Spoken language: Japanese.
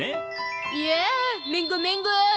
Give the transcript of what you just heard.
いやあめんごめんご。